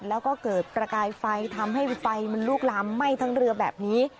แล้วก็เกิดประกายไฟทำให้ไฟมันลุกลามไหม้ทั้งเรือแบบนี้